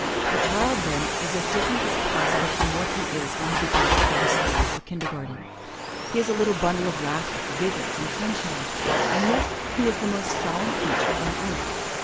The child then is as different as possible from what he is when he begins to go to school or kindergarten. He is a little bundle of laughter, giggles and sunshine, and yet he is the most solemn creature on earth.